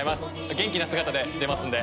元気な姿で出ますんで。